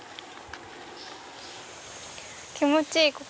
気持ちいいここ。